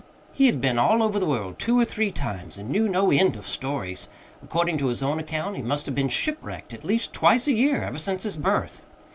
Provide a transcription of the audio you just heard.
He had been all over the world two or three times, and knew no end of stories. According to his own account, he must have been shipwrecked at least twice a year ever since his birth.